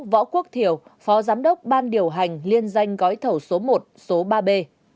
sáu võ quốc thiểu phó giám đốc ban điều hành liên danh gói thầu số một số ba b